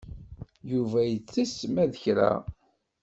Yuba itess ma d kra.